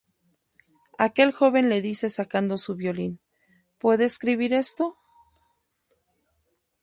Aquel joven le dice sacando su violín "¿Puede escribir esto?